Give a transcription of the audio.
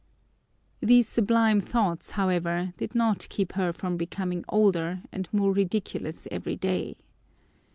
These sublime thoughts, however, did not keep her from becoming older and more ridiculous every day.